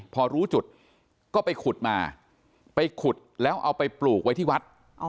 พอรู้จุดก็ไปขุดมาไปขุดแล้วเอาไปปลูกไว้ที่วัด